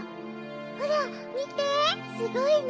ほらみてすごいね！